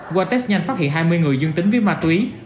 qua test nhanh phát hiện hai mươi người dương tính với ma túy